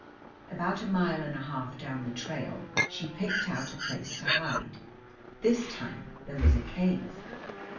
About a mile and a half down the trail, she picked out a place to hide. This time there was a cave.